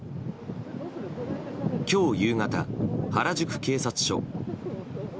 今日夕方、原宿警察署。